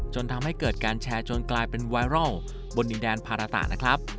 จนทำให้เกิดการแชร์จนกลายเป็นไวรัลบนดินแดนภาระตะนะครับ